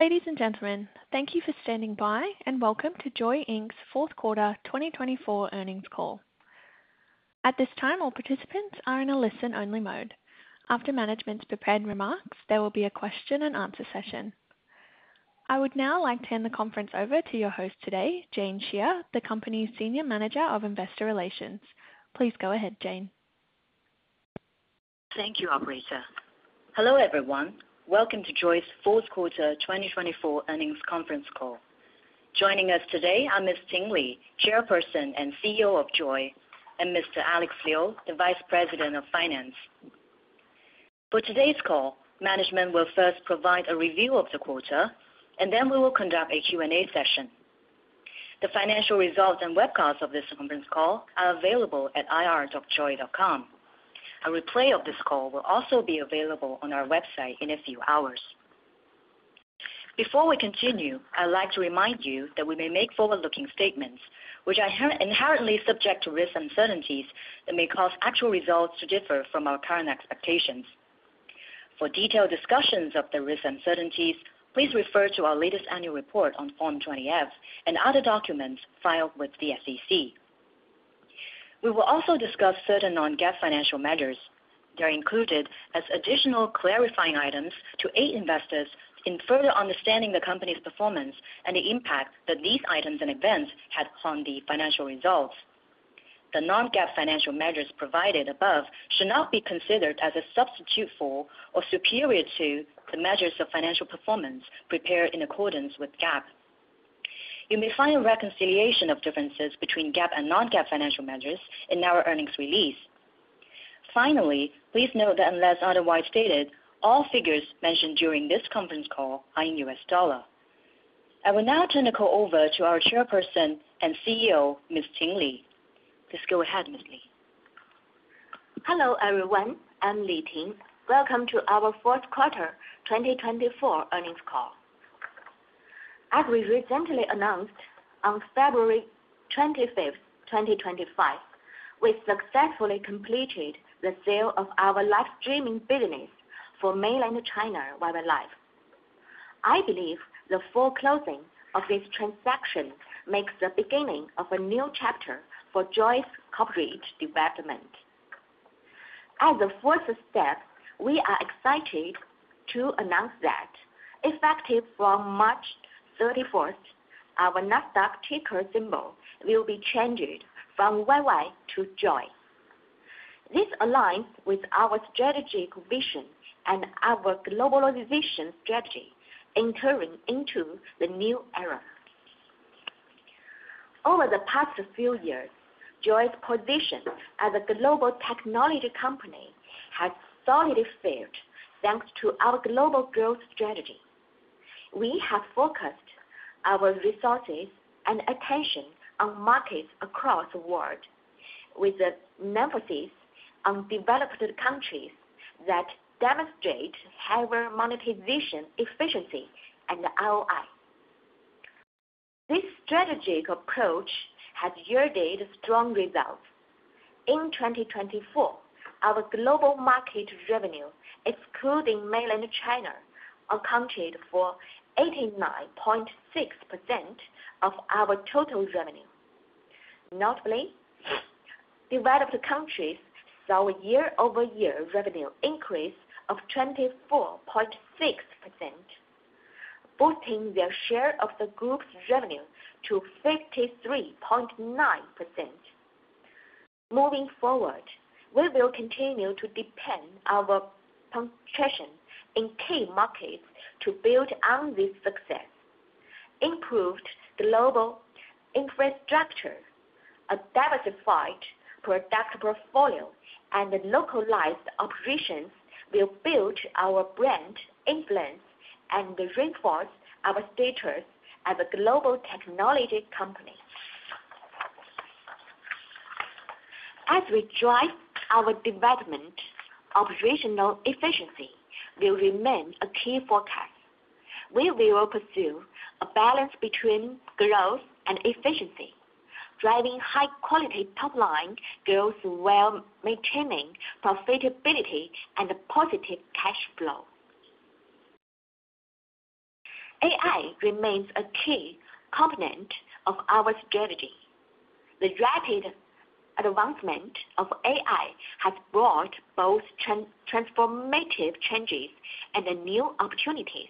Ladies and gentlemen, thank you for standing by and welcome to JOYY's fourth quarter 2024 earnings call. At this time, all participants are in a listen-only mode. After management's prepared remarks, there will be a question-and-answer session. I would now like to hand the conference over to your host today, Jane Xie, the company's Senior Manager of Investor Relations. Please go ahead, Jane. Thank you, Operator. Hello everyone, welcome to JOYY's fourth quarter 2024 earnings conference call. Joining us today are Ms. Ting Li, Chairperson and CEO of JOYY, and Mr. Alex Liu, the Vice President of Finance. For today's call, management will first provide a review of the quarter, and then we will conduct a Q&A session. The financial results and webcast of this conference call are available at ir.joyy.com. A replay of this call will also be available on our website in a few hours. Before we continue, I'd like to remind you that we may make forward-looking statements, which are inherently subject to risk uncertainties that may cause actual results to differ from our current expectations. For detailed discussions of the risk uncertainties, please refer to our latest annual report on Form 20-F and other documents filed with the SEC. We will also discuss certain non-GAAP financial measures. They're included as additional clarifying items to aid investors in further understanding the company's performance and the impact that these items and events had on the financial results. The non-GAAP financial measures provided above should not be considered as a substitute for or superior to the measures of financial performance prepared in accordance with GAAP. You may find a reconciliation of differences between GAAP and non-GAAP financial measures in our earnings release. Finally, please note that unless otherwise stated, all figures mentioned during this conference call are in US dollars. I will now turn the call over to our Chairperson and CEO, Ms. Ting Li. Please go ahead, Ms. Li. Hello everyone, I'm Ting Li. Welcome to our fourth quarter 2024 earnings call. As we recently announced on February 25th, 2025, we successfully completed the sale of our live streaming business for Mainland China, WifiLive. I believe the full closing of this transaction marks the beginning of a new chapter for JOYY's corporate development. As a fourth step, we are excited to announce that, effective from March 31st, our Nasdaq ticker symbol will be changed from WIFI to JOYY. This aligns with our strategic vision and our globalization strategy entering into the new era. Over the past few years, JOYY's position as a global technology company has solidified thanks to our global growth strategy. We have focused our resources and attention on markets across the world, with an emphasis on developed countries that demonstrate higher monetization efficiency and ROI. This strategic approach has yielded strong results. In 2024, our global market revenue, excluding Mainland China, accounted for 89.6% of our total revenue. Notably, developed countries saw a year-over-year revenue increase of 24.6%, boosting their share of the group's revenue to 53.9%. Moving forward, we will continue to depend on our penetration in key markets to build on this success. Improved global infrastructure, a diversified product portfolio, and localized operations will build our brand influence and reinforce our status as a global technology company. As we drive our development, operational efficiency will remain a key focus. We will pursue a balance between growth and efficiency, driving high-quality pipeline growth while maintaining profitability and positive cash flow. AI remains a key component of our strategy. The rapid advancement of AI has brought both transformative changes and new opportunities.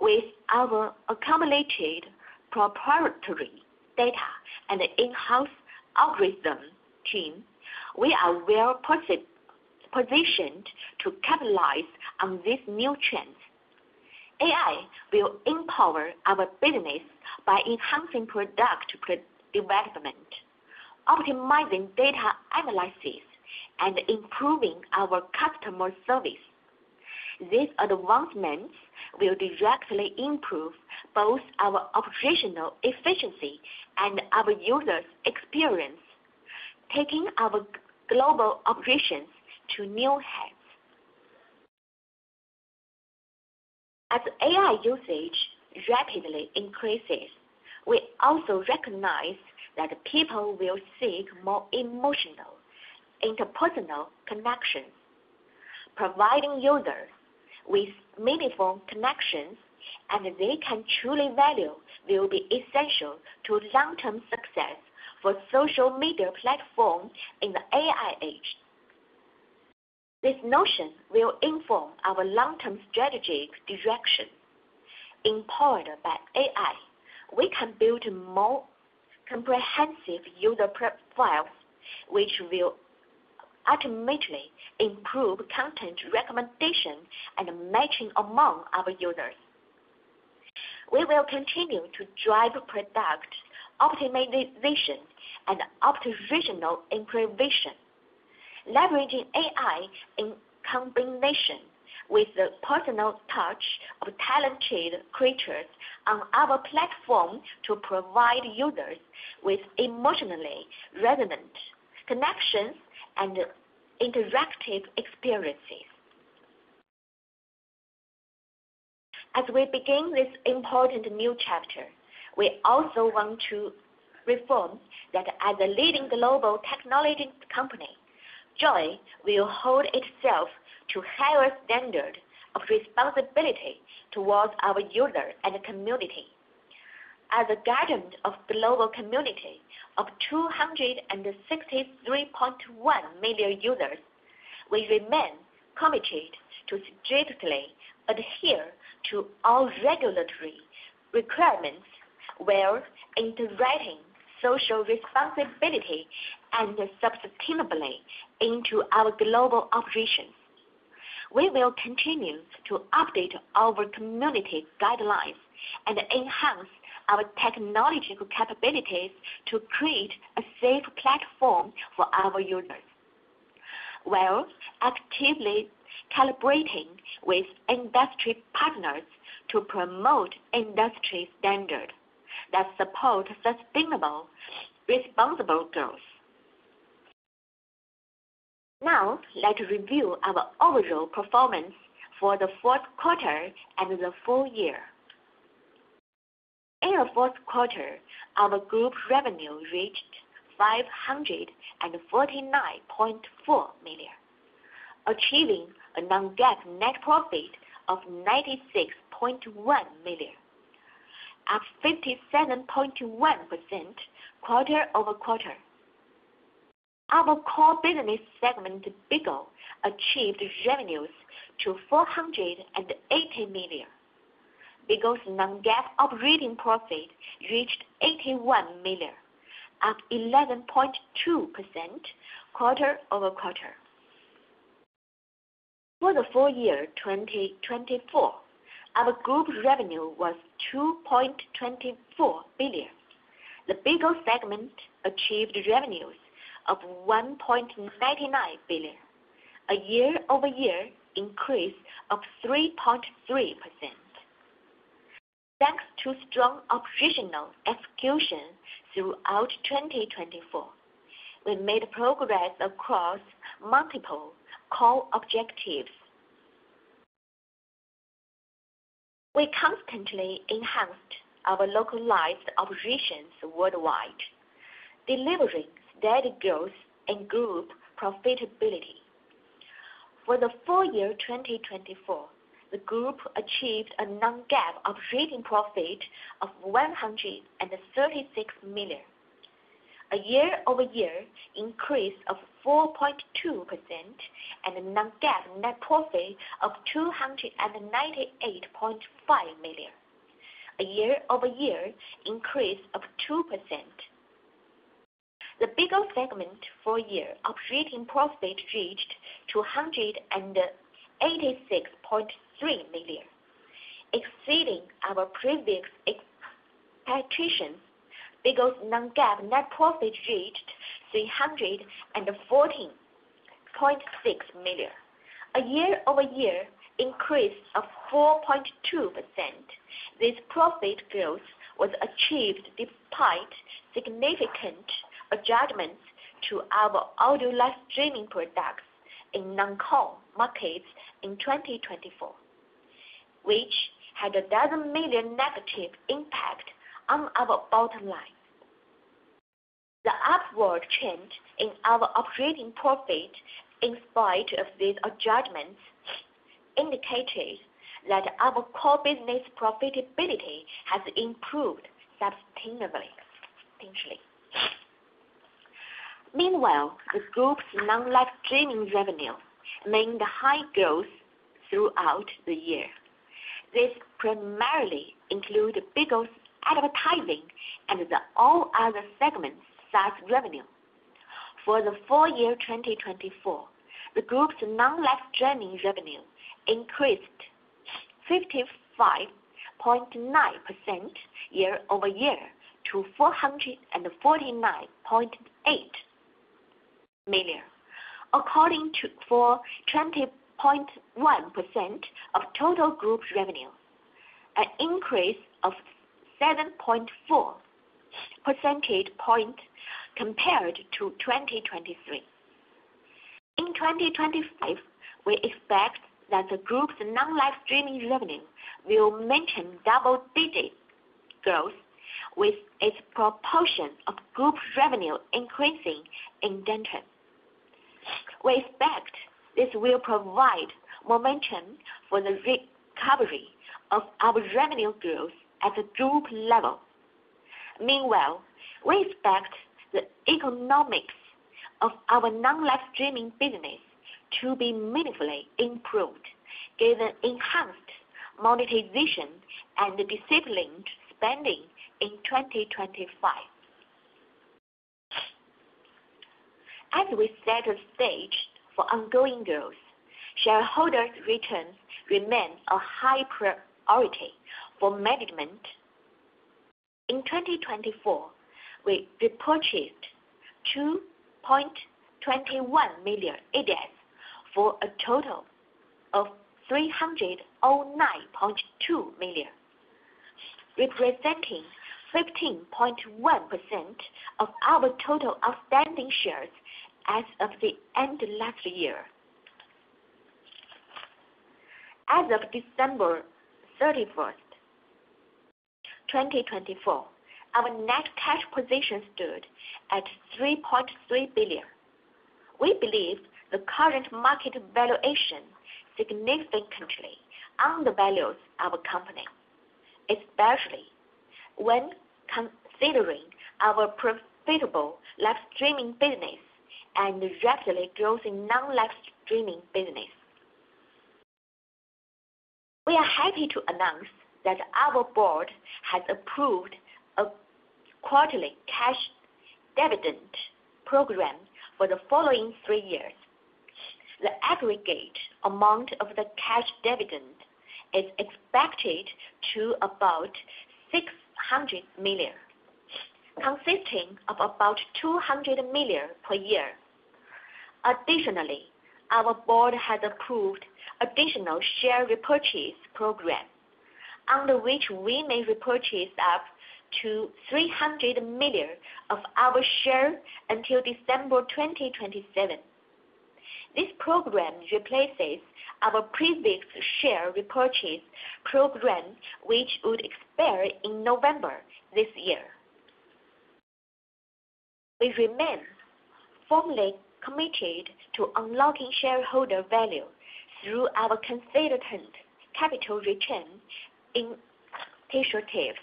With our accumulated proprietary data and in-house algorithm team, we are well positioned to capitalize on this new trend. AI will empower our business by enhancing product development, optimizing data analysis, and improving our customer service. These advancements will directly improve both our operational efficiency and our users' experience, taking our global operations to new heights. As AI usage rapidly increases, we also recognize that people will seek more emotional interpersonal connections. Providing users with meaningful connections and they can truly value will be essential to long-term success for social media platforms in the AI age. This notion will inform our long-term strategic direction. Empowered by AI, we can build more comprehensive user profiles, which will ultimately improve content recommendation and matching among our users. We will continue to drive product optimization and operational improvement, leveraging AI in combination with the personal touch of talented creators on our platform to provide users with emotionally resonant connections and interactive experiences. As we begin this important new chapter, we also want to reaffirm that as a leading global technology company, JOYY will hold itself to higher standards of responsibility towards our users and community. As a guardian of a global community of 263.1 million users, we remain committed to strictly adhere to all regulatory requirements, well-integrating social responsibility and sustainability into our global operations. We will continue to update our community guidelines and enhance our technological capabilities to create a safe platform for our users, while actively collaborating with industry partners to promote industry standards that support sustainable, responsible growth. Now, let's review our overall performance for the fourth quarter and the full year. In our fourth quarter, our group revenue reached $549.4 million, achieving a non-GAAP net profit of $96.1 million, up 57.1% quarter over quarter. Our core business segment, BIGO, achieved revenues of $480 million. Bigo's non-GAAP operating profit reached $81 million, up 11.2% quarter over quarter. For the full year 2024, our group revenue was $2.24 billion. The Bigo segment achieved revenues of $1.99 billion, a year-over-year increase of 3.3%. Thanks to strong operational execution throughout 2024, we made progress across multiple core objectives. We constantly enhanced our localized operations worldwide, delivering steady growth and group profitability. For the full year 2024, the group achieved a non-GAAP operating profit of $136 million, a year-over-year increase of 4.2%, and a non-GAAP net profit of $298.5 million, a year-over-year increase of 2%. The Bigo segment full year operating profit reached $286.3 million, exceeding our previous expectations. Bigo's non-GAAP net profit reached $314.6 million, a year-over-year increase of 4.2%. This profit growth was achieved despite significant adjustments to our audio live streaming products in non-core markets in 2024, which had a double-digit million negative impact on our bottom line. The upward trend in our operating profit in spite of these adjustments indicates that our core business profitability has improved substantially. Meanwhile, the group's non-live streaming revenue maintained high growth throughout the year. This primarily included BIGO's advertising and all other segments SaaS revenue. For the full year 2024, the group's non-live streaming revenue increased 55.9% year-over-year to $449.8 million, according to 20.1% of total group revenue, an increase of 7.4 percentage points compared to 2023. In 2025, we expect that the group's non-live streaming revenue will maintain double-digit growth, with its proportion of group revenue increasing in 10%. We expect this will provide momentum for the recovery of our revenue growth at the group level. Meanwhile, we expect the economics of our non-live streaming business to be meaningfully improved given enhanced monetization and disciplined spending in 2025. As we set a stage for ongoing growth, shareholders' returns remain a high priority for management. In 2024, we repurchased 2.21 million ADS for a total of $309.2 million, representing 15.1% of our total outstanding shares as of the end of last year. As of December 31, 2024, our net cash position stood at $3.3 billion. We believe the current market valuation significantly undervalues our company, especially when considering our profitable live streaming business and rapidly growing non-live streaming business. We are happy to announce that our board has approved a quarterly cash dividend program for the following three years. The aggregate amount of the cash dividend is expected to be about $600 million, consisting of about $200 million per year. Additionally, our board has approved an additional share repurchase program, under which we may repurchase up to $300 million of our shares until December 2027. This program replaces our previous share repurchase program, which would expire in November this year. We remain firmly committed to unlocking shareholder value through our consistent capital return initiative.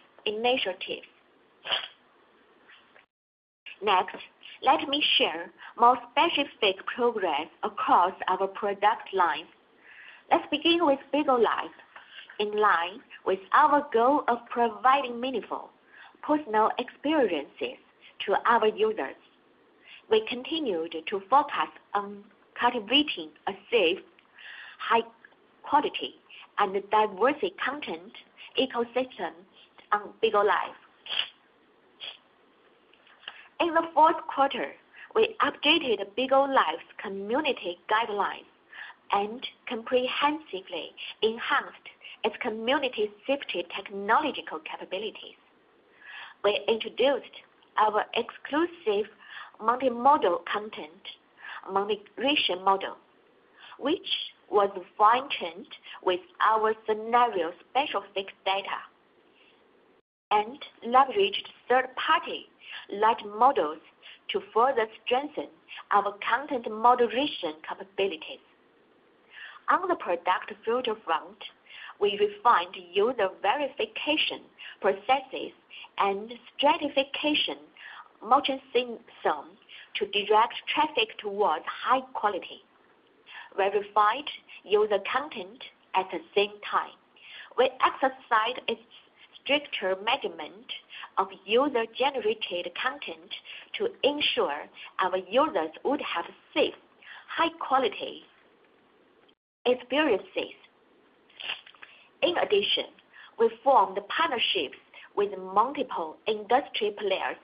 Next, let me share more specific progress across our product lines. Let's begin with Bigo Live. In line with our goal of providing meaningful personal experiences to our users, we continued to focus on cultivating a safe, high-quality, and diverse content ecosystem on Bigo Live. In the fourth quarter, we updated Bigo Live's community guidelines and comprehensively enhanced its community-safety technological capabilities. We introduced our exclusive multimodal content modulation model, which was fine-tuned with our scenario-specific data, and leveraged third-party large models to further strengthen our content modulation capabilities. On the product future front, we refined user verification processes and stratified monetization system to direct traffic towards high-quality, verified user content at the same time. We exercised stricter measurement of user-generated content to ensure our users would have safe, high-quality experiences. In addition, we formed partnerships with multiple industry players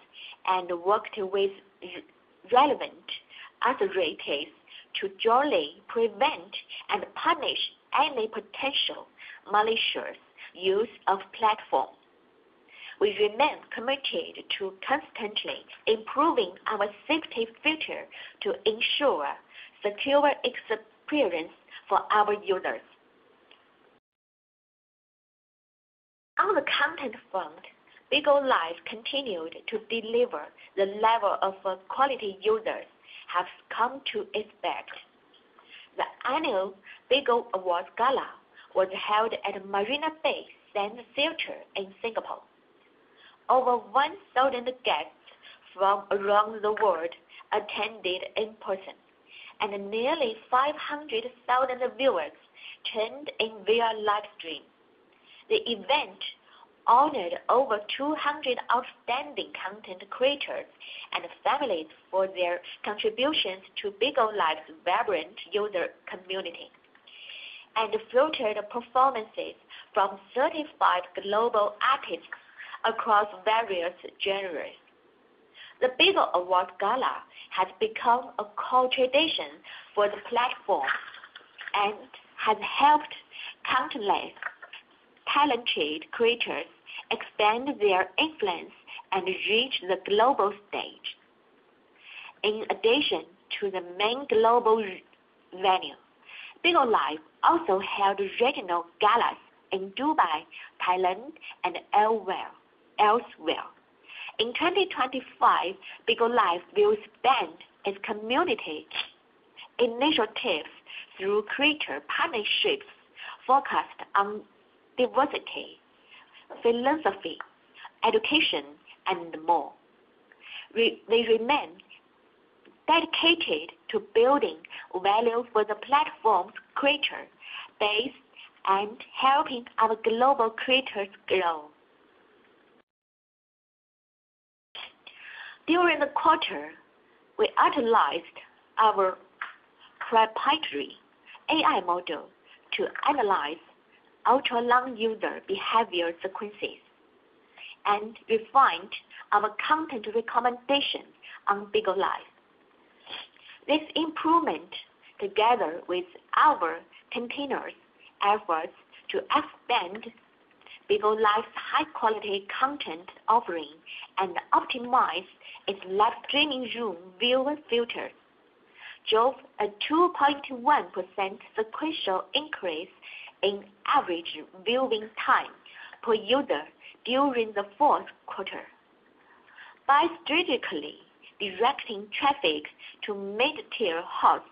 and worked with relevant authorities to jointly prevent and punish any potential malicious use of the platform. We remain committed to constantly improving our safety feature to ensure a secure experience for our users. On the content front, Bigo Live continued to deliver the level of quality users have come to expect. The annual Bigo Awards Gala was held at Marina Bay Sands in Singapore. Over 1,000 guests from around the world attended in person, and nearly 500,000 viewers tuned in via live stream. The event honored over 200 outstanding content creators and families for their contributions to Bigo Live's vibrant user community and featured performances from certified global artists across various genres. The Bigo Awards Gala has become a culmination for the platform and has helped countless talented creators expand their influence and reach the global stage. In addition to the main global venue, Bigo Live also held regional galas in Dubai, Thailand, and elsewhere. In 2025, Bigo Live will expand its community initiatives through creator partnerships focused on diversity, philanthropy, education, and more. We remain dedicated to building value for the platform's creator base and helping our global creators grow. During the quarter, we utilized our proprietary AI model to analyze ultra-long user behavior sequences and refined our content recommendations on Bigo Live. This improvement, together with our continued efforts to expand Bigo Live's high-quality content offering and optimize its live streaming room viewing filters, drove a 2.1% sequential increase in average viewing time per user during the fourth quarter, by strategically directing traffic to mid-tier hosts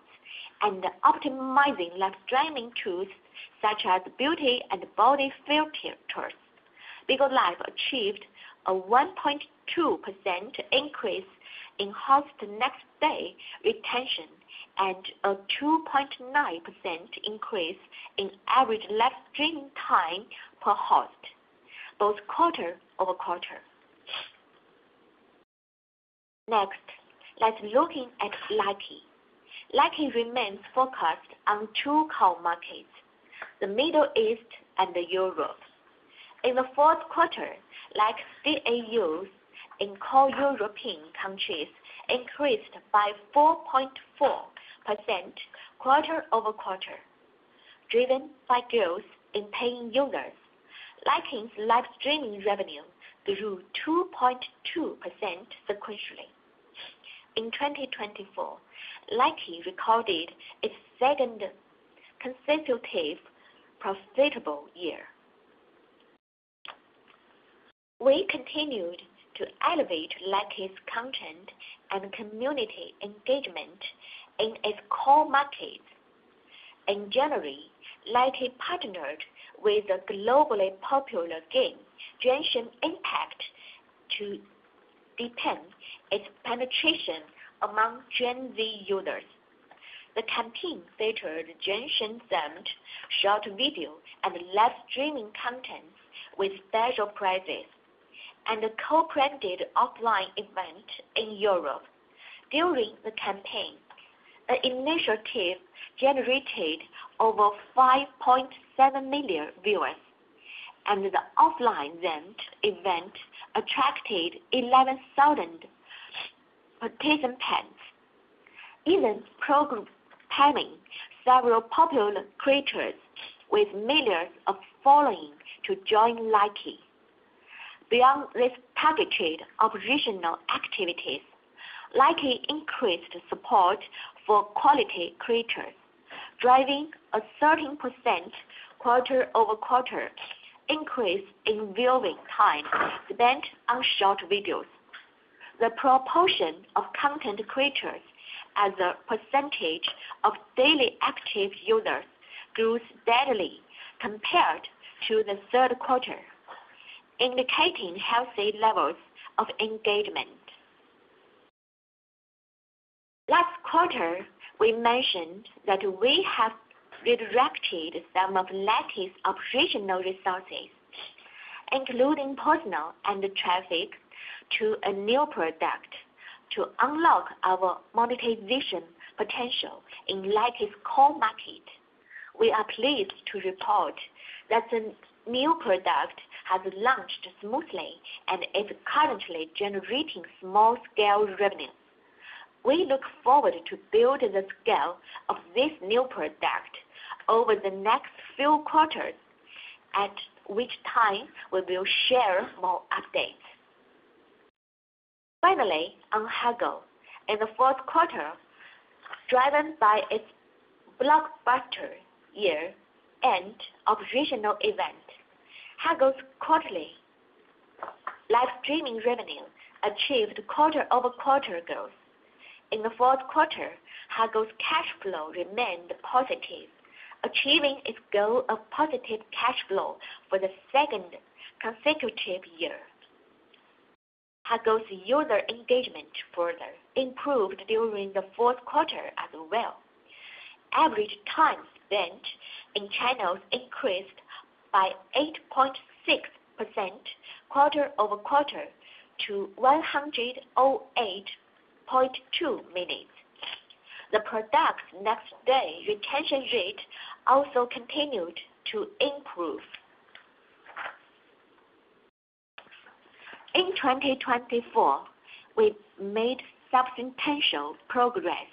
and optimizing live streaming tools such as beauty and body filters. Bigo Live achieved a 1.2% increase in host next-day retention and a 2.9% increase in average live streaming time per host, both quarter over quarter. Next, let's look at Lucky. Lucky remains focused on two core markets: the Middle East and Europe. In the fourth quarter, Lucky's DAUs in core European countries increased by 4.4% quarter over quarter. Driven by growth in paying users, Lucky's live streaming revenue grew 2.2% sequentially. In 2024, Likee recorded its second consecutive profitable year. We continued to elevate Lucky's content and community engagement in its core markets. In January, Lucky partnered with a globally popular game, Genshin Impact, to deepen its penetration among Gen Z users. The campaign featured Genshin-themed short video and live streaming content with special prizes and a co-branded offline event in Europe. During the campaign, the initiative generated over 5.7 million viewers, and the offline event attracted 11,000 participants. Even programming several popular creators with millions of followings to join Lucky. Beyond these targeted operational activities, Lucky increased support for quality creators, driving a 13% quarter-over-quarter increase in viewing time spent on short videos. The proportion of content creators as a percentage of daily active users grew steadily compared to the third quarter, indicating healthy levels of engagement. Last quarter, we mentioned that we have redirected some of Lucky's operational resources, including personnel and traffic, to a new product to unlock our monetization potential in Lucky's core market. We are pleased to report that the new product has launched smoothly and is currently generating small-scale revenue. We look forward to building the scale of this new product over the next few quarters, at which time we will share more updates. Finally, on Huggle, in the fourth quarter, driven by its blockbuster year-end operational event, Huggle's quarterly live streaming revenue achieved quarter-over-quarter growth. In the fourth quarter, Huggle's cash flow remained positive, achieving its goal of positive cash flow for the second consecutive year. Hago's user engagement further improved during the fourth quarter as well. Average time spent in channels increased by 8.6% quarter over quarter to 108.2 minutes. The product's next-day retention rate also continued to improve. In 2024, we made substantial progress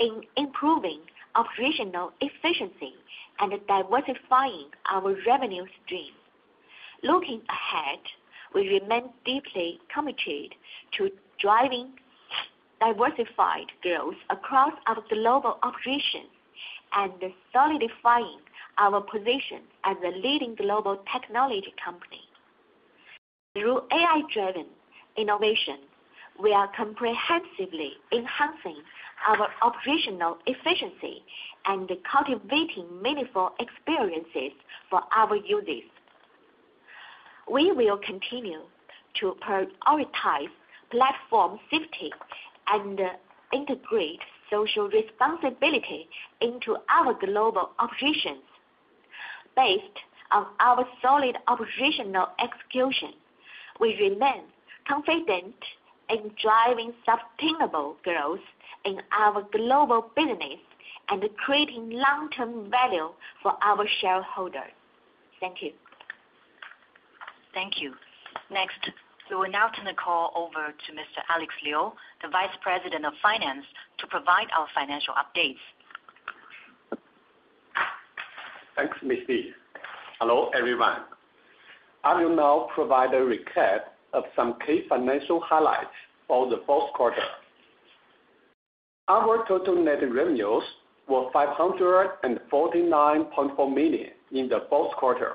in improving operational efficiency and diversifying our revenue stream. Looking ahead, we remain deeply committed to driving diversified growth across our global operations and solidifying our position as a leading global technology company. Through AI-driven innovation, we are comprehensively enhancing our operational efficiency and cultivating meaningful experiences for our users. We will continue to prioritize platform safety and integrate social responsibility into our global operations. Based on our solid operational execution, we remain confident in driving sustainable growth in our global business and creating long-term value for our shareholders. Thank you. Thank you. Next, we will now turn the call over to Mr. Alex Liu, the Vice President of Finance, to provide our financial updates. Thanks, Ms. Li. Hello everyone. I will now provide a recap of some key financial highlights for the fourth quarter. Our total net revenues were $549.4 million in the fourth quarter,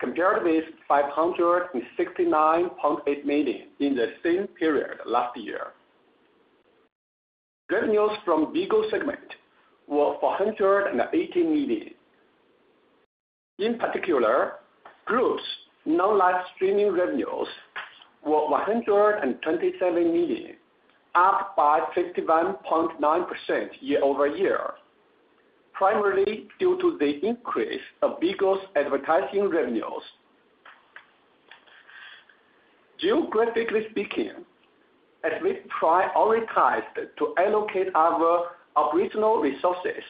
compared with $569.8 million in the same period last year. Revenues from BIGO segment were $480 million. In particular, group's non-live streaming revenues were $127 million, up by 51.9% year-over-year, primarily due to the increase of BIGO's advertising revenues. Geographically speaking, as we prioritized to allocate our operational resources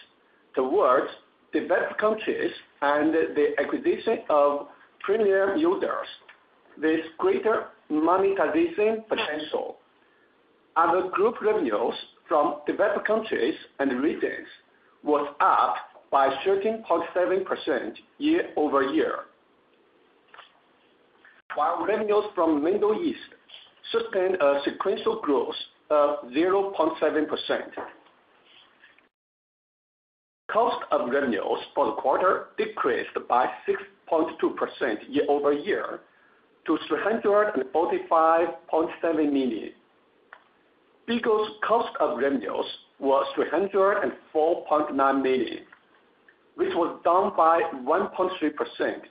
towards developed countries and the acquisition of premium users with greater monetization potential, our group revenues from developed countries and regions were up by 13.7% year-over-year, while revenues from Middle East sustained a sequential growth of 0.7%. Cost of revenues for the quarter decreased by 6.2% year-over-year to $345.7 million. BIGO's cost of revenues were $304.9 million, which was down by 1.3%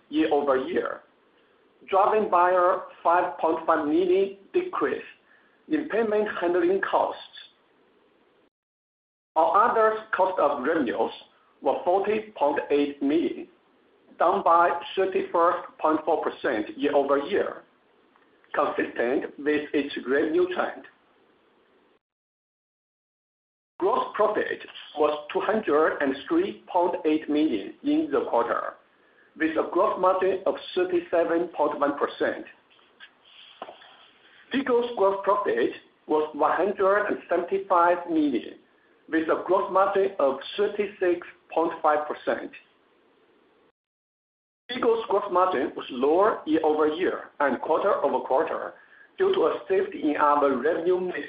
year-over-year, driven by a $5.5 million decrease in payment handling costs. Our other cost of revenues were $40.8 million, down by 31.4% year-over-year, consistent with its revenue trend. Gross profit was $203.8 million in the quarter, with a gross margin of 37.1%. Bigo's gross profit was $175 million, with a gross margin of 36.5%. Bigo's gross margin was lower year-over-year and quarter-over-quarter due to a shift in our revenue mix,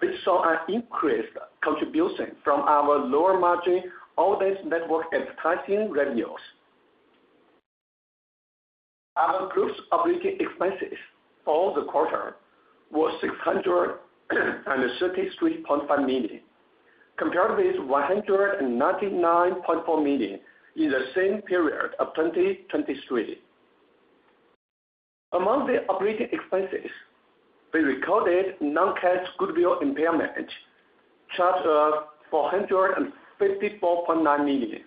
which saw an increased contribution from our lower-margin Audience Network advertising revenues. Our group's operating expenses for the quarter were $633.5 million, compared with $199.4 million in the same period of 2023. Among the operating expenses, we recorded non-cash goodwill impairment, charged at $454.9 million.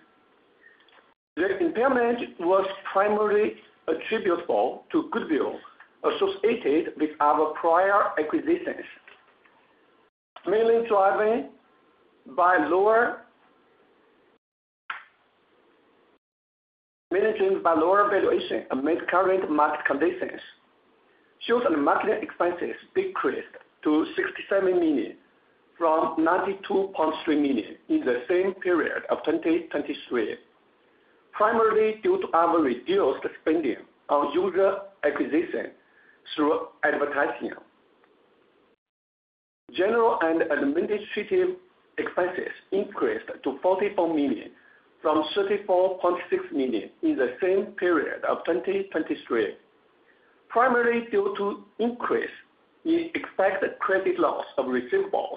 The impairment was primarily attributable to goodwill associated with our prior acquisitions, mainly driven by lower valuation amid current market conditions. Short-term marketing expenses decreased to $67 million from $92.3 million in the same period of 2023, primarily due to our reduced spending on user acquisition through advertising. General and administrative expenses increased to $44 million from $34.6 million in the same period of 2023, primarily due to an increase in expected credit loss of receivables.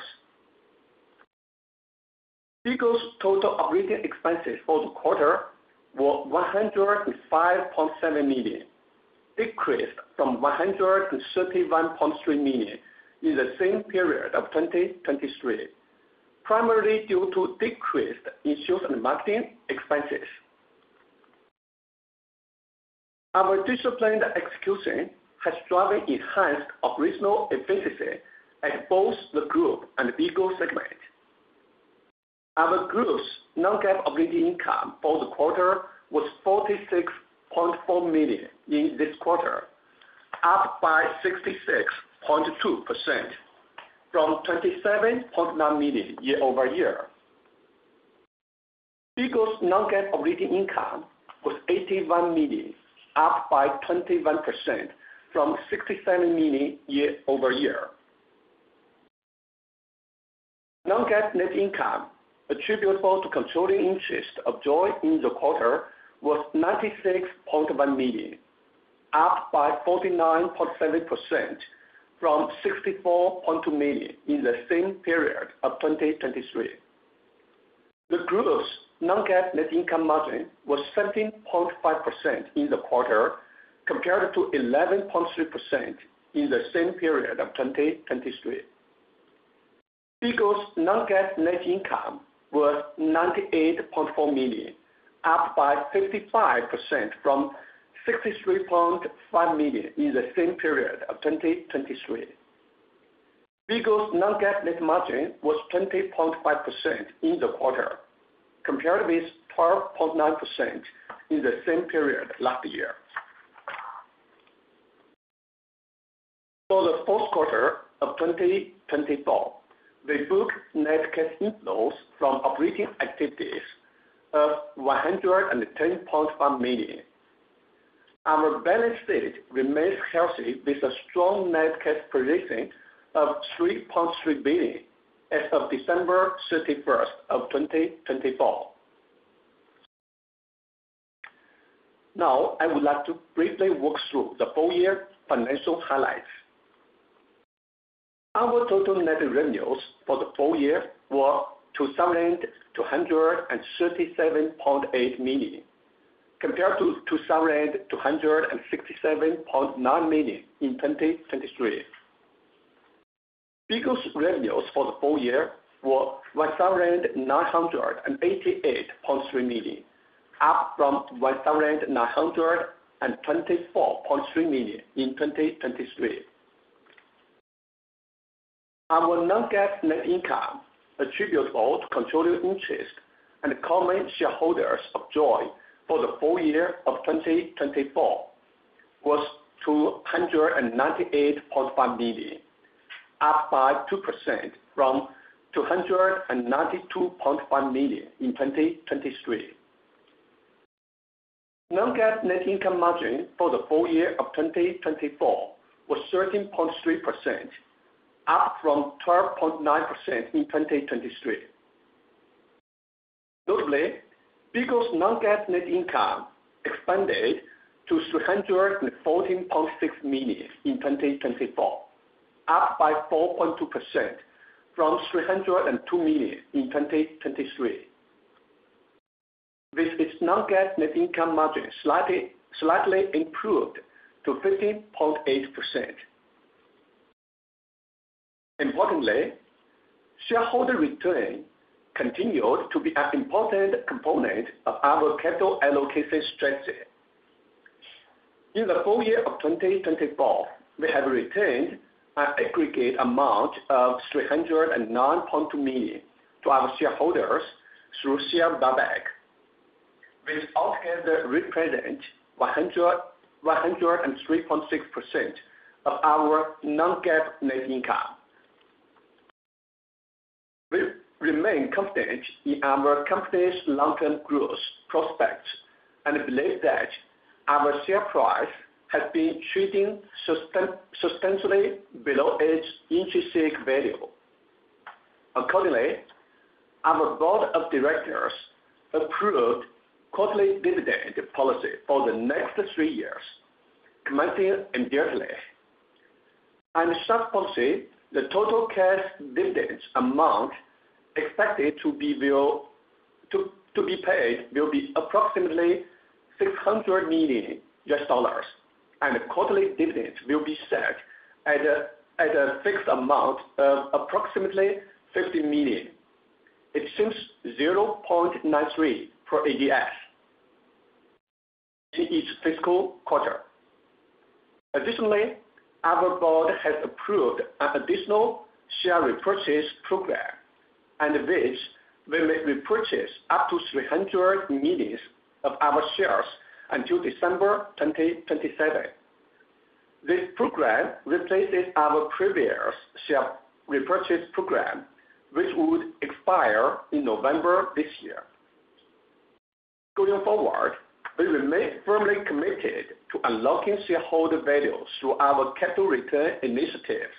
Bigo's total operating expenses for the quarter were $105.7 million, decreased from $131.3 million in the same period of 2023, primarily due to a decrease in short-term marketing expenses. Our disciplined execution has driven enhanced operational efficiency at both the group and Bigo segment. Our group's non-cash operating income for the quarter was $46.4 million in this quarter, up by 66.2% from $27.9 million year-over-year. Bigo's non-cash operating income was $81 million, up by 21% from $67 million year-over-year. Non-cash net income attributable to controlling interest of JOYY in the quarter was $96.1 million, up by 49.7% from $64.2 million in the same period of 2023. The group's non-cash net income margin was 17.5% in the quarter, compared to 11.3% in the same period of 2023. Bigo's non-cash net income was $98.4 million, up by 55% from $63.5 million in the same period of 2023. Bigo's non-GAAP net margin was 20.5% in the quarter, compared with 12.9% in the same period last year. For the fourth quarter of 2024, we booked net cash inflows from operating activities of $110.5 million. Our balance sheet remains healthy with a strong net cash position of $3.3 billion as of December 31 of 2024. Now, I would like to briefly walk through the full-year financial highlights. Our total net revenues for the full year were $2,237.8 million, compared to $2,267.9 million in 2023. Bigo's revenues for the full year were $1,988.3 million, up from $1,924.3 million in 2023. Our non-GAAP net income attributable to controlling interest and common shareholders of JOYY for the full year of 2024 was $298.5 million, up by 2% from $292.5 million in 2023. Non-GAAP net income margin for the full year of 2024 was 13.3%, up from 12.9% in 2023. Notably, BIGO's non-cash net income expanded to $314.6 million in 2024, up by 4.2% from $302 million in 2023, with its non-cash net income margin slightly improved to 15.8%. Importantly, shareholder return continued to be an important component of our capital allocation strategy. In the full year of 2024, we have returned an aggregate amount of $309.2 million to our shareholders through share buyback, which altogether represents 103.6% of our non-cash net income. We remain confident in our company's long-term growth prospects and believe that our share price has been trading substantially below its intrinsic value. Accordingly, our Board of Directors approved quarterly dividend policy for the next three years, commencing immediately. As such, the total cash dividends amount expected to be paid will be approximately $600 million US dollars, and quarterly dividends will be set at a fixed amount of approximately $50 million. It's 0.93% for ADS in each fiscal quarter. Additionally, our board has approved an additional share repurchase program, in which we may repurchase up to 300 million of our shares until December 2027. This program replaces our previous share repurchase program, which would expire in November this year. Going forward, we remain firmly committed to unlocking shareholder value through our capital return initiatives.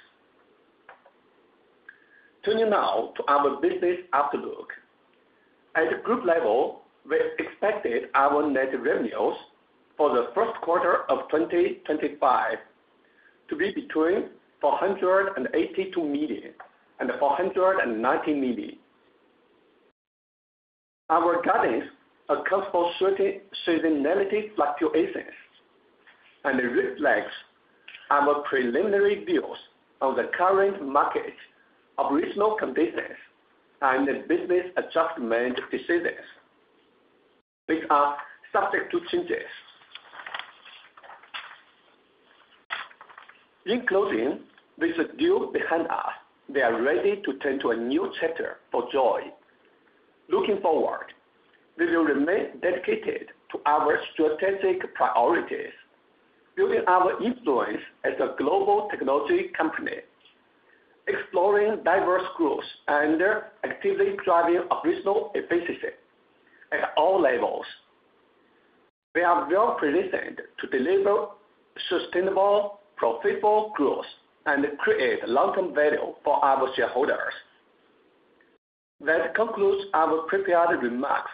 Turning now to our business outlook, at the group level, we expect our net revenues for the first quarter of 2025 to be between $482 million and $490 million. Our guidance accounts for seasonality fluctuations and reflects our preliminary views on the current market, operational conditions, and business adjustment decisions. These are subject to changes. In closing, with the deal behind us, we are ready to turn to a new chapter for JOYY. Looking forward, we will remain dedicated to our strategic priorities, building our influence as a global technology company, exploring diverse groups, and actively driving operational efficiency at all levels. We are well-positioned to deliver sustainable, profitable growth and create long-term value for our shareholders. That concludes our prepared remarks.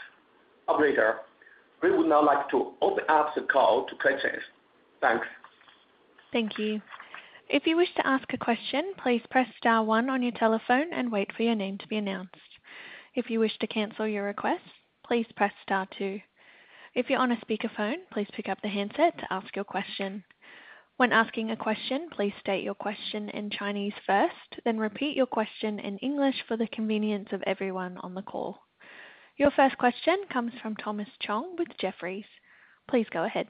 Operator, we would now like to open up the call to questions. Thanks. Thank you. If you wish to ask a question, please press star one on your telephone and wait for your name to be announced. If you wish to cancel your request, please press star two. If you're on a speakerphone, please pick up the handset to ask your question. When asking a question, please state your question in Chinese first, then repeat your question in English for the convenience of everyone on the call. Your first question comes from Thomas Chong with Jefferies. Please go ahead.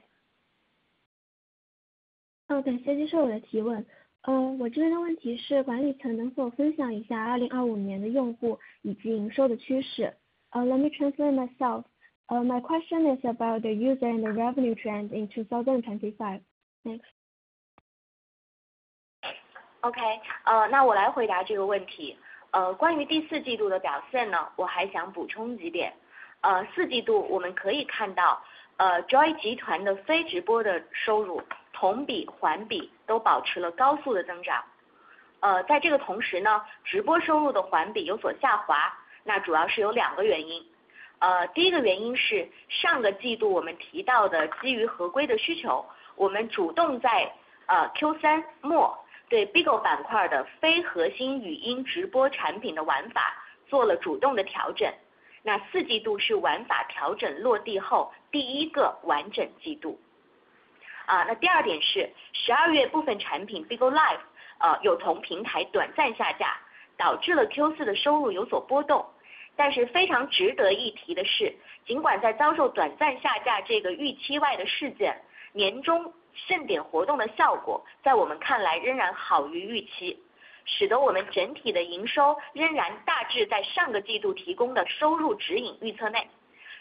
好的，谢谢受我的提问。我这边的问题是，管理层能否分享一下2025年的用户以及营收的趋势？ Let me translate myself. My question is about the user and the revenue trend in 2025. Thanks. Okay，那我来回答这个问题。关于第四季度的表现，我还想补充几点。四季度我们可以看到，JOYY集团的非直播的收入同比环比都保持了高速的增长。在这个同时，直播收入的环比有所下滑，主要是有两个原因。第一个原因是，上个季度我们提到的基于合规的需求，我们主动在Q3末对BIGO板块的非核心语音直播产品的玩法做了主动的调整。四季度是玩法调整落地后第一个完整季度。第二点是，12月部分产品Bigo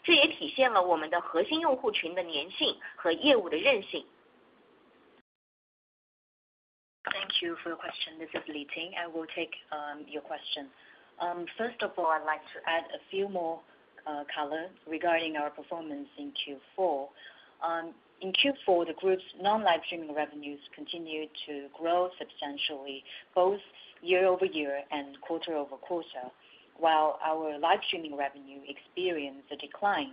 Thank you for your question. This is Ting Li. I will take your question. First of all, I'd like to add a few more colors regarding our performance in Q4. In Q4, the group's non-live streaming revenues continued to grow substantially, both year-over-year and quarter-over-quarter, while our live streaming revenue experienced a decline.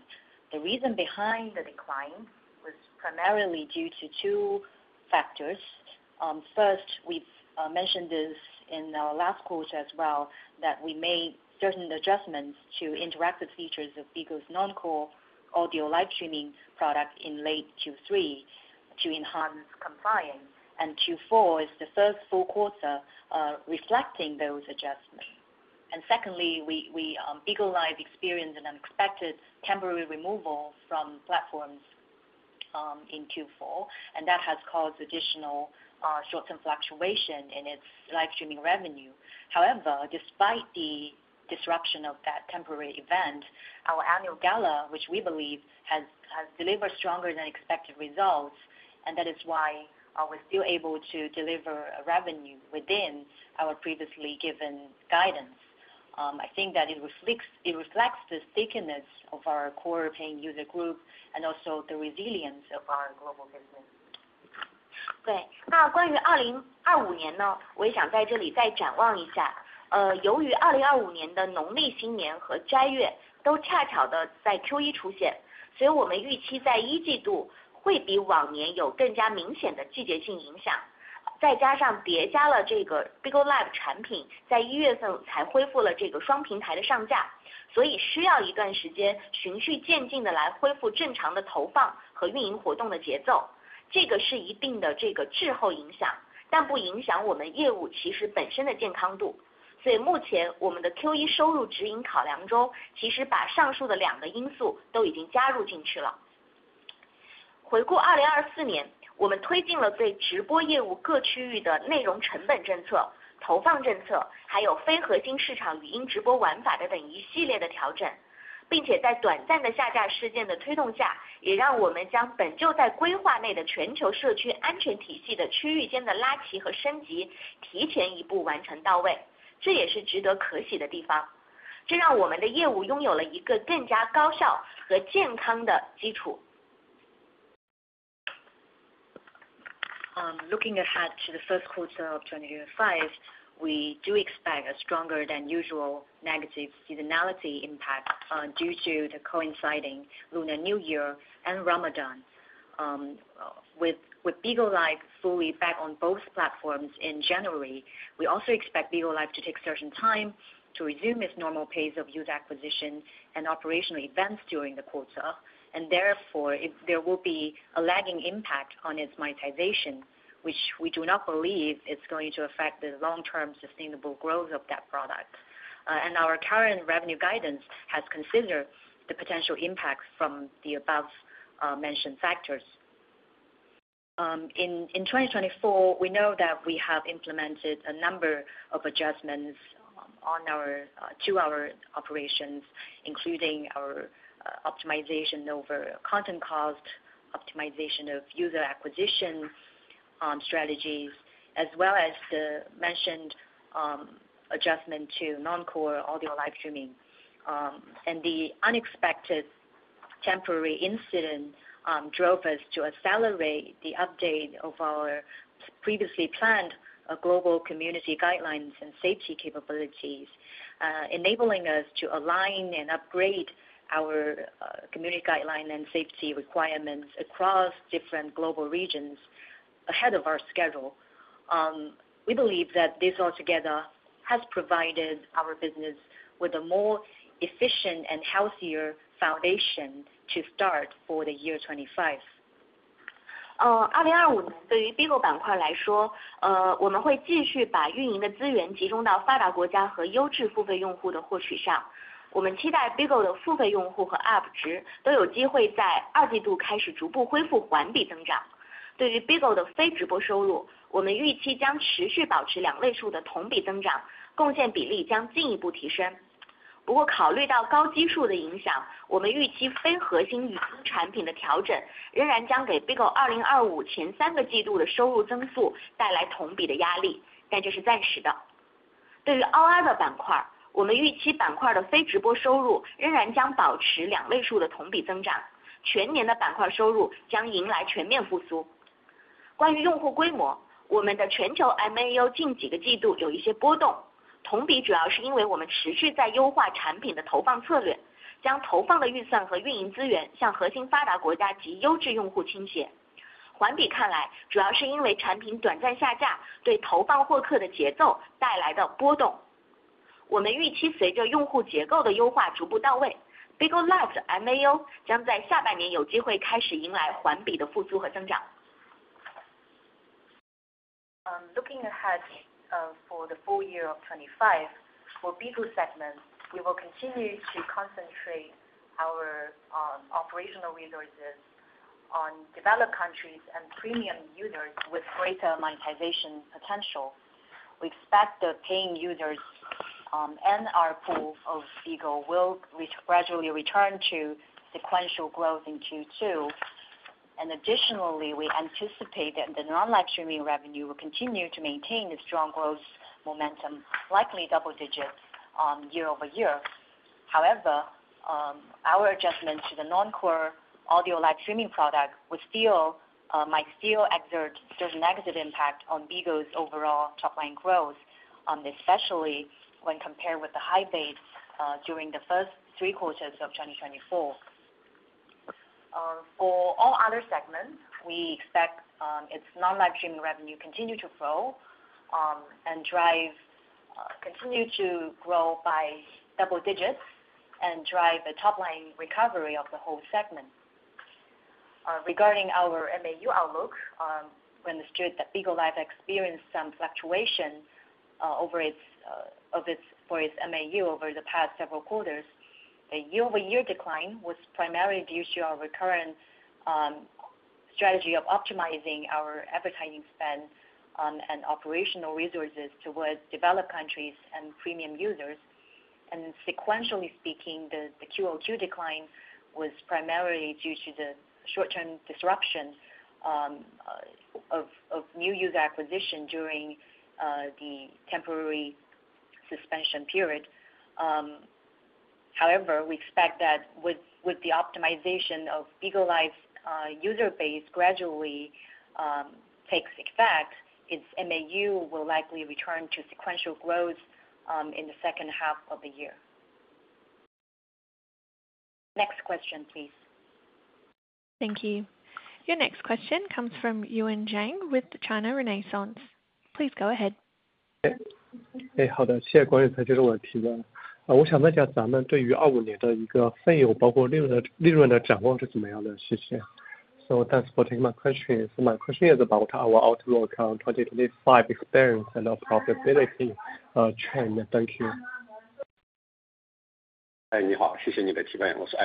The reason behind the decline was primarily due to two factors. First, we've mentioned this in our last quarter as well, that we made certain adjustments to interactive features of BIGO's non-core audio live streaming product in late Q3 to enhance compliance. Q4 is the first full quarter reflecting those adjustments. Secondly, Bigo Live experienced an unexpected temporary removal from platforms in Q4, and that has caused additional short-term fluctuation in its live streaming revenue. However, despite the disruption of that temporary event, our annual gala, which we believe has delivered stronger than expected results, and that is why we're still able to deliver revenue within our previously given guidance. I think that it reflects the stickiness of our core paying user group and also the resilience of our global business. 关于2025年，我也想在这里再展望一下。由于2025年的农历新年和斋月都恰巧在Q1出现，所以我们预期在一季度会比往年有更加明显的季节性影响。再加上叠加了Bigo Looking ahead to the first quarter of 2025, we do expect a stronger than usual negative seasonality impact due to the coinciding Lunar New Year and Ramadan. With Bigo Live fully back on both platforms in January, we also expect Bigo Live to take certain time to resume its normal pace of user acquisition and operational events during the quarter. Therefore, there will be a lagging impact on its monetization, which we do not believe is going to affect the long-term sustainable growth of that product. Our current revenue guidance has considered the potential impact from the above-mentioned factors. In 2024, we know that we have implemented a number of adjustments to our operations, including our optimization over content cost, optimization of user acquisition strategies, as well as the mentioned adjustment to non-core audio live streaming. The unexpected temporary incident drove us to accelerate the update of our previously planned global community guidelines and safety capabilities, enabling us to align and upgrade our community guideline and safety requirements across different global regions ahead of our schedule. We believe that this altogether has provided our business with a more efficient and healthier foundation to start for the year 2025. 按照我们对于BIGO板块来说，我们会继续把运营的资源集中到发达国家和优质付费用户的获取上。我们期待BIGO的付费用户和UP值都有机会在二季度开始逐步恢复环比增长。对于BIGO的非直播收入，我们预期将持续保持两位数的同比增长，贡献比例将进一步提升。不过，考虑到高基数的影响，我们预期非核心语音产品的调整仍然将给BIGO 2025前三个季度的收入增速带来同比的压力，但这是暂时的。对于OR的板块，我们预期板块的非直播收入仍然将保持两位数的同比增长，全年的板块收入将迎来全面复苏。关于用户规模，我们的全球MAU近几个季度有一些波动，同比主要是因为我们持续在优化产品的投放策略，将投放的预算和运营资源向核心发达国家及优质用户倾斜。环比看来，主要是因为产品短暂下架对投放获客的节奏带来的波动。我们预期随着用户结构的优化逐步到位，BIGO Live MAU将在下半年有机会开始迎来环比的复苏和增长. Looking ahead for the full year of 2025, for B2 segment, we will continue to concentrate our operational resources on developed countries and premium users with greater monetization potential. We expect the paying users and our pool of Bigo will gradually return to sequential growth in Q2. Additionally, we anticipate that the non-live streaming revenue will continue to maintain its strong growth momentum, likely double-digit year-over-year. However, our adjustment to the non-core audio live streaming product might still exert certain negative impact on Bigo's overall top-line growth, especially when compared with the high bids during the first three quarters of 2024. For all other segments, we expect its non-live streaming revenue to continue to grow and continue to grow by double digits and drive the top-line recovery of the whole segment. Regarding our MAU outlook, we understood that Bigo Live experienced some fluctuation for its MAU over the past several quarters. The year-over-year decline was primarily due to our recurrent strategy of optimizing our advertising spend and operational resources towards developed countries and premium users. Sequentially speaking, the QOQ decline was primarily due to the short-term disruption of new user acquisition during the temporary suspension period. However, we expect that with the optimization of Bigo Live's user base gradually taking effect, its MAU will likely return to sequential growth in the second half of the year. Next question, please. Thank you. Your next question comes from Yuan Jiang with China Renaissance. Please go ahead. 好的，谢谢关于财经的问题。我想问一下咱们对于25年的一个分油，包括利润的掌握是怎么样的？谢谢。So that's for taking my question. So my question is about our outlook on 2025 experience and our profitability trend. Thank you. 你好，谢谢你的提问。我是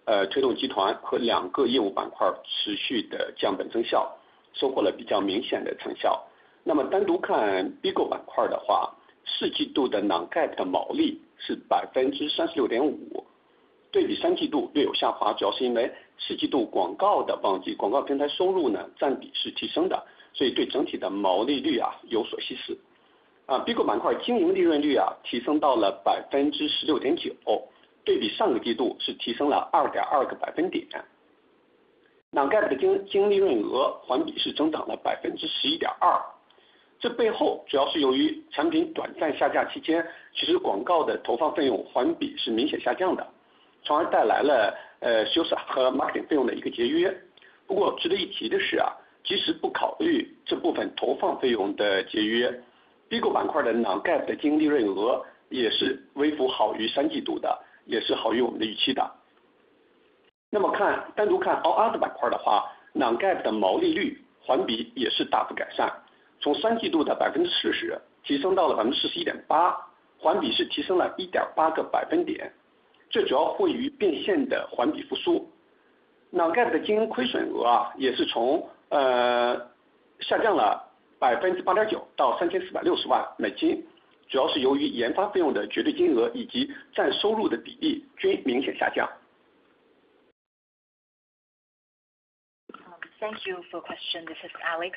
Alex，我来回答一下。四季度我们稳步推进全球的运营的精细化，推动集团和两个业务板块持续的降本增效，收获了比较明显的成效。那么单独看 BIGO 板块的话，四季度的 non-GAAP 的毛利是 36.5%。对比三季度略有下滑，主要是因为四季度广告的旺季，广告平台收入占比是提升的，所以对整体的毛利率有所稀释。BIGO 板块经营利润率提升到了 16.9%，对比上个季度是提升了 2.2 个百分点。non-GAAP 的经营利润额环比是增长了 11.2%。这背后主要是由于产品短暂下架期间，其实广告的投放费用环比是明显下降的，从而带来了销售和 marketing 费用的一个节约。不过值得一提的是，即使不考虑这部分投放费用的节约，BIGO 板块的 non-GAAP 的经营利润额也是微幅好于三季度的，也是好于我们的预期的。那么单独看 OR 的板块的话，non-GAAP 的毛利率环比也是大幅改善，从三季度的 40% 提升到了 41.8%，环比是提升了 1.8 个百分点。这主要惠于变现的环比复苏。non-GAAP 的经营亏损额也是从下降了 8.9% 到 $34.6 million，主要是由于研发费用的绝对金额以及占收入的比例均明显下降。Thank you for your question. This is Alex.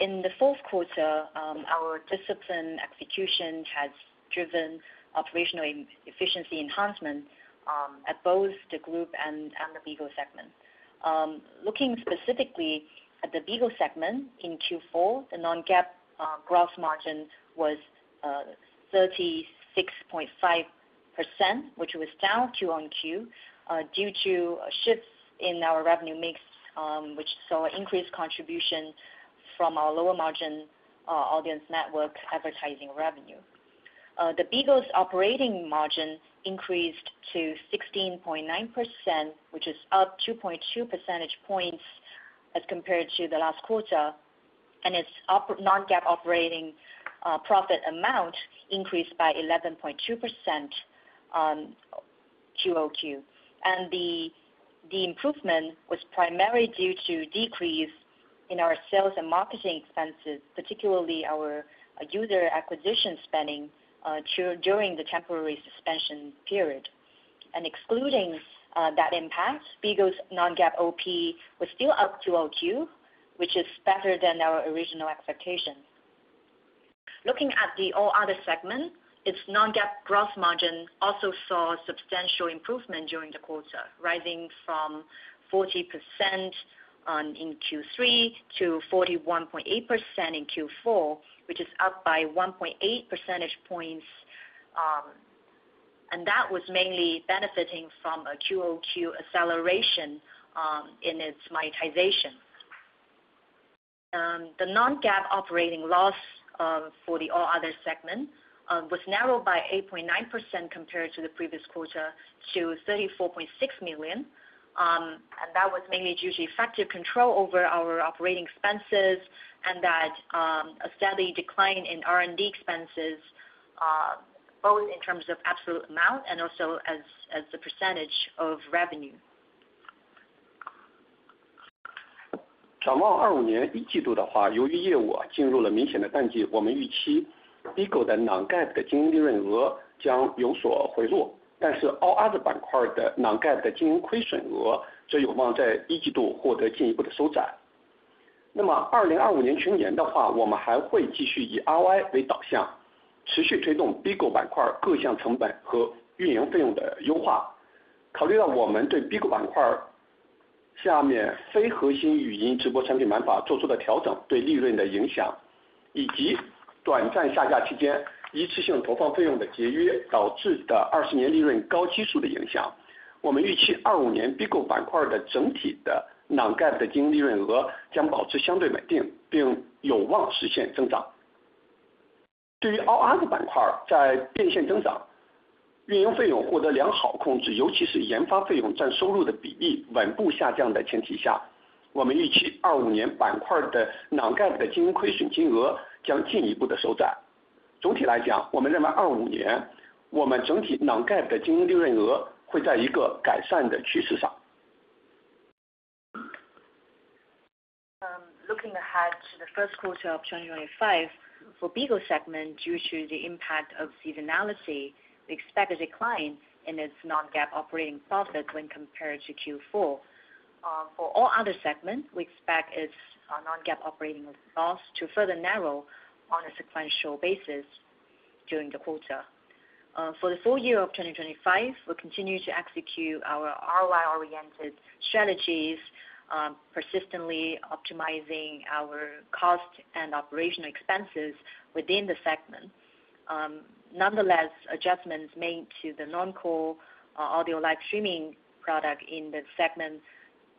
In the fourth quarter, our discipline execution has driven operational efficiency enhancement at both the group and the BIGO segment. Looking specifically at the BIGO segment in Q4, the non-GAAP gross margin was 36.5%, which was down Q on Q due to shifts in our revenue mix, which saw an increased contribution from our lower margin Audience Network advertising revenue. The BIGO's operating margin increased to 16.9%, which is up 2.2 percentage points as compared to the last quarter, and its non-GAAP operating profit amount increased by 11.2% QOQ. The improvement was primarily due to a decrease in our sales and marketing expenses, particularly our user acquisition spending during the temporary suspension period. Excluding that impact, BIGO's non-GAAP OP was still up QOQ, which is better than our original expectation. Looking at the OR segment, its non-GAAP gross margin also saw a substantial improvement during the quarter, rising from 40% in Q3 to 41.8% in Q4, which is up by 1.8 percentage points, and that was mainly benefiting from a QOQ acceleration in its monetization. The non-GAAP operating loss for the OR segment was narrowed by 8.9% compared to the previous quarter to $34.6 million, and that was mainly due to effective control over our operating expenses and a steady decline in R&D expenses, both in terms of absolute amount and also as a percentage of revenue. Looking ahead to the first quarter of 2025 for Bigo segment, due to the impact of seasonality, we expect a decline in its non-GAAP operating profit when compared to Q4. For all other segments, we expect its non-GAAP operating loss to further narrow on a sequential basis during the quarter. For the full year of 2025, we'll continue to execute our ROI-oriented strategies, persistently optimizing our cost and operational expenses within the segment. Nonetheless, adjustments made to the non-core audio live streaming product in the segment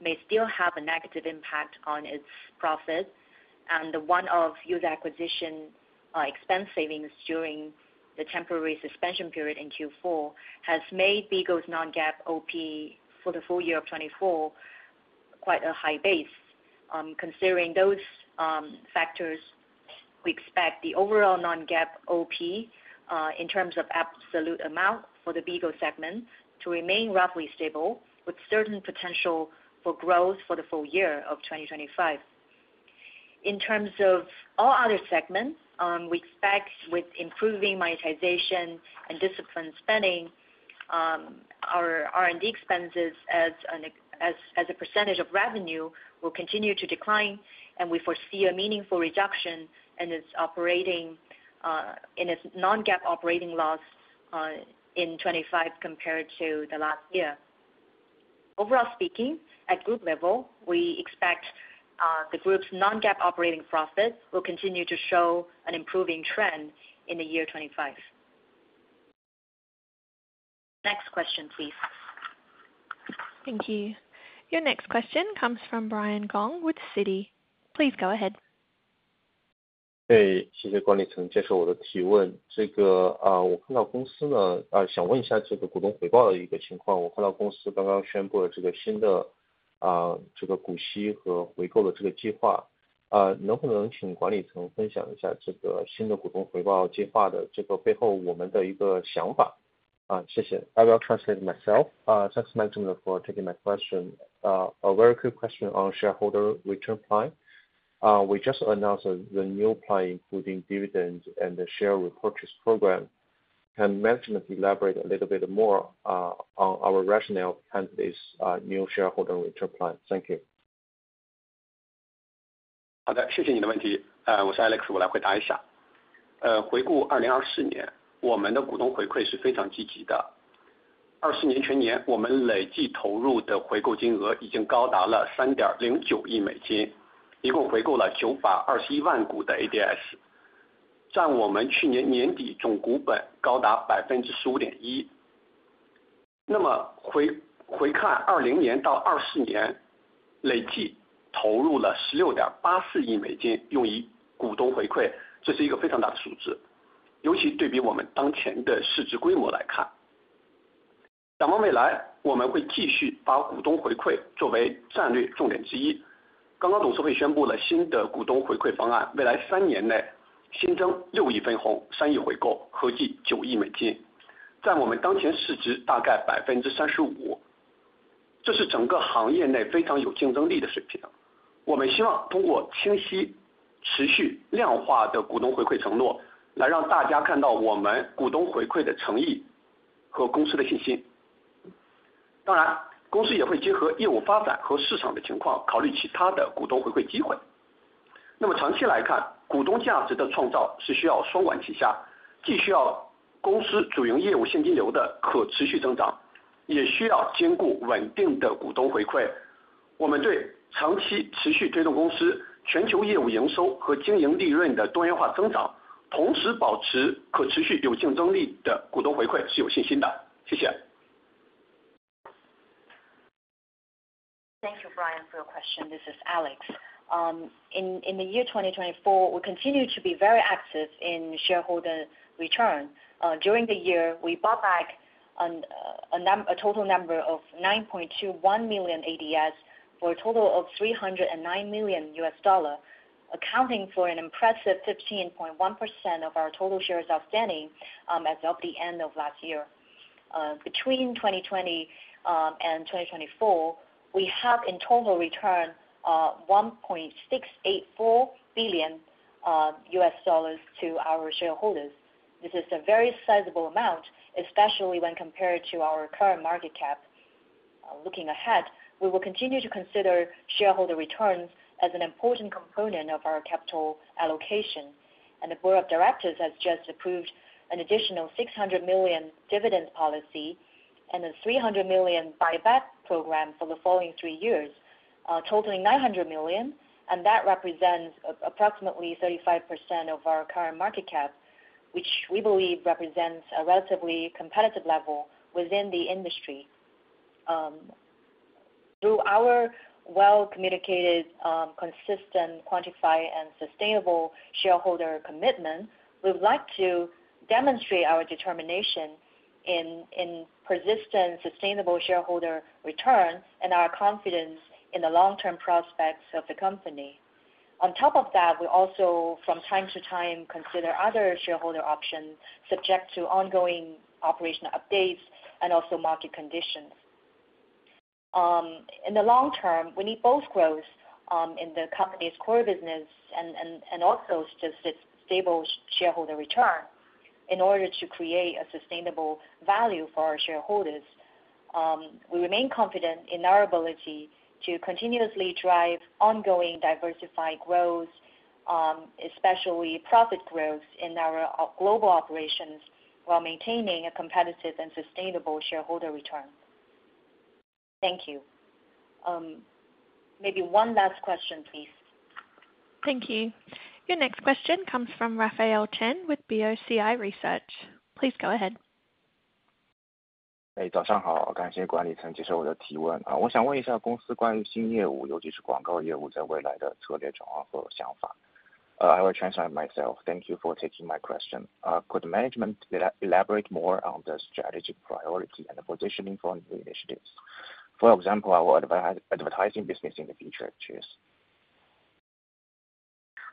may still have a negative impact on its profit, and the one-off user acquisition expense savings during the temporary suspension period in Q4 has made Bigo's non-GAAP OP for the full year of 2024 quite a high base. Considering those factors, we expect the overall non-GAAP OP in terms of absolute amount for the Bigo segment to remain roughly stable, with certain potential for growth for the full year of 2025. In terms of all other segments, we expect with improving monetization and disciplined spending, our R&D expenses as a percentage of revenue will continue to decline, and we foresee a meaningful reduction in its non-GAAP operating loss in 2025 compared to the last year. Overall speaking, at group level, we expect the group's non-GAAP operating profit will continue to show an improving trend in the year 2025. Next question, please. Thank you. Your next question comes from Brian Gong with Citi. Please go ahead. 谢谢关于曾接受我的提问。这个我看到公司想问一下股东回报的一个情况。我看到公司刚刚宣布了新的股息和回购的计划，能不能请管理层分享一下新的股东回报计划的背后我们的一个想法？谢谢。I will translate myself. Thanks, Management, for taking my question. A very quick question on shareholder return plan. We just announced the new plan, including dividend and the share repurchase program. Can Management elaborate a little bit more on our rationale behind this new shareholder return plan? Thank you. 好的，谢谢你的问题。我是 Alex，我来回答一下。回顾2024年，我们的股东回馈是非常积极的。2024年全年，我们累计投入的回购金额已经高达了$309 million，一共回购了9.21 million股的ADS，占我们去年年底总股本高达15.1%。那么回看2020年到2024年，累计投入了$1.684 billion用于股东回馈，这是一个非常大的数字，尤其对比我们当前的市值规模来看。展望未来，我们会继续把股东回馈作为战略重点之一。刚刚董事会宣布了新的股东回馈方案，未来三年内新增$600 million分红，$300 million回购，合计$900 million，占我们当前市值大概35%。这是整个行业内非常有竞争力的水平。我们希望通过清晰、持续、量化的股东回馈承诺，来让大家看到我们股东回馈的诚意和公司的信心。当然，公司也会结合业务发展和市场的情况，考虑其他的股东回馈机会。那么长期来看，股东价值的创造是需要双管齐下，既需要公司主营业务现金流的可持续增长，也需要兼顾稳定的股东回馈。我们对长期持续推动公司全球业务营收和经营利润的多元化增长，同时保持可持续、有竞争力的股东回馈是有信心的。谢谢。Thank you, Brian, for your question. This is Alex. In the year 2024, we continue to be very active in shareholder return. During the year, we bought back a total number of 9.21 million ADS for a total of $309 million, accounting for an impressive 15.1% of our total shares outstanding as of the end of last year. Between 2020 and 2024, we have in total returned $1.684 billion to our shareholders. This is a very sizable amount, especially when compared to our current market cap. Looking ahead, we will continue to consider shareholder returns as an important component of our capital allocation, and the Board of Directors has just approved an additional $600 million dividend policy and a $300 million buyback program for the following three years, totaling $900 million, and that represents approximately 35% of our current market cap, which we believe represents a relatively competitive level within the industry. Through our well-communicated, consistent, quantified, and sustainable shareholder commitment, we would like to demonstrate our determination in persistent, sustainable shareholder returns and our confidence in the long-term prospects of the company. On top of that, we also, from time to time, consider other shareholder options subject to ongoing operational updates and also market conditions. In the long term, we need both growth in the company's core business and also just its stable shareholder return in order to create a sustainable value for our shareholders. We remain confident in our ability to continuously drive ongoing diversified growth, especially profit growth in our global operations, while maintaining a competitive and sustainable shareholder return. Thank you. Maybe one last question, please. Thank you. Your next question comes from Rafael Chen with BOCI Research. Please go ahead. 早上好，感谢管理层接受我的提问。我想问一下公司关于新业务，尤其是广告业务在未来的策略转换和想法。I will translate myself. Thank you for taking my question. Could Management elaborate more on the strategic priority and the positioning for new initiatives? For example, our advertising business in the future,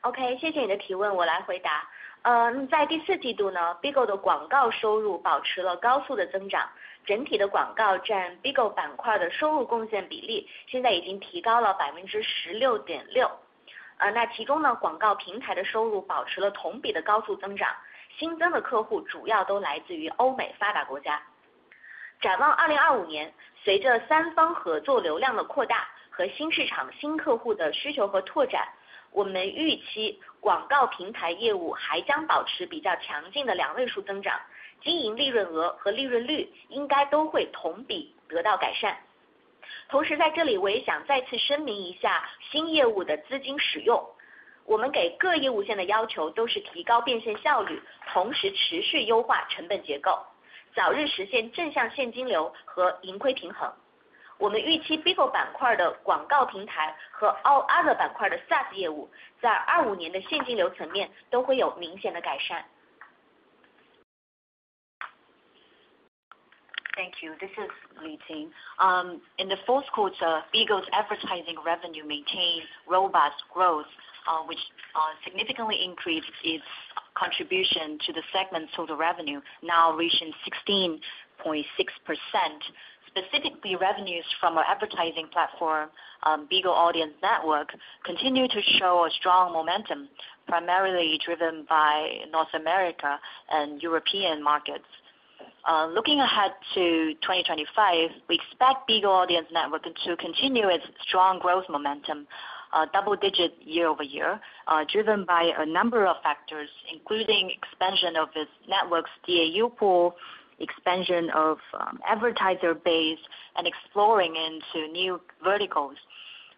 please. Okay, Thank you. This is Li Qin. In the fourth quarter, BIGO's advertising revenue maintained robust growth, which significantly increased its contribution to the segment total revenue, now reaching 16.6%. Specifically, revenues from our advertising platform, Bigo Audience Network, continue to show a strong momentum, primarily driven by North America and European markets. Looking ahead to 2025, we expect Bigo Audience Network to continue its strong growth momentum, double-digit year over year, driven by a number of factors, including expansion of its network's DAU pool, expansion of advertiser base, and exploring into new verticals.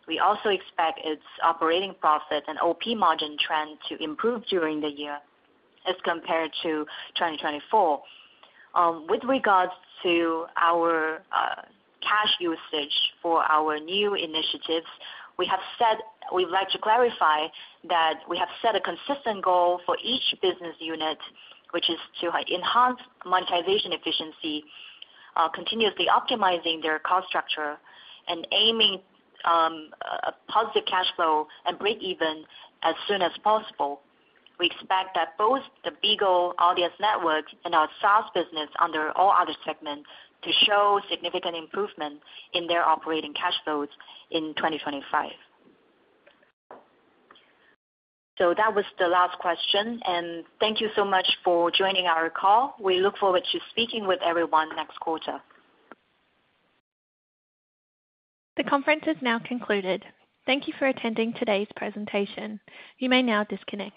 We also expect its operating profit and OP margin trend to improve during the year as compared to 2024. With regards to our cash usage for our new initiatives, we have said we'd like to clarify that we have set a consistent goal for each business unit, which is to enhance monetization efficiency, continuously optimizing their cost structure, and aiming a positive cash flow and break-even as soon as possible. We expect that both the Bigo Audience Network and our SaaS business under all other segments to show significant improvement in their operating cash flows in 2025. That was the last question, and thank you so much for joining our call. We look forward to speaking with everyone next quarter. The conference is now concluded. Thank you for attending today's presentation. You may now disconnect.